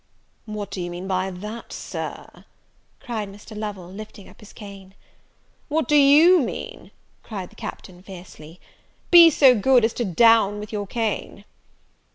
"What do you mean by that, Sir?" cried Mr. Lovel, lifting up his cane. "What do you mean?" cried the Captain, fiercely, "be so good as to down with your cane."